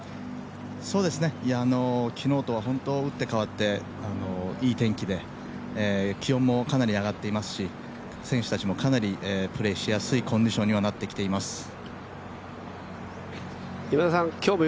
昨日とは打って変わっていい天気で気温もかなり上がっていますし選手たちもかなりプレーしやすいコンディションにはなってきています。